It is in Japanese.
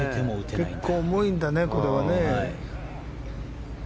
結構重いんだね、これはね。